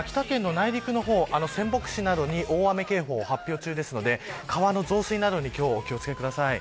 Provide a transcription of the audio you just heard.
特に秋田県の内陸の方、仙北市などに大雨警報発表中ですので、川の増水などに今日はお気を付けください。